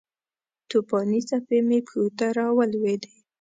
توپانې څپې مې پښو ته راولویدې